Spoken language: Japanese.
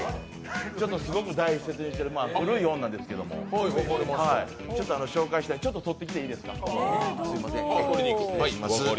すごく大切にしてる、古い本なんですけど、紹介したい、ちょっと取ってきていいですか？